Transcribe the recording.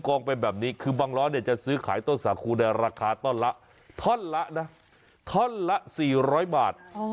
กองเป็นแบบนี้คือบางล้อเนี่ยจะซื้อขายต้นสาคูในราคาต้นละท่อนละนะท่อนละ๔๐๐บาท